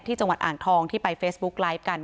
จังหวัดอ่างทองที่ไปเฟซบุ๊กไลฟ์กัน